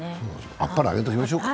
あっぱれ、あげておきましょうか。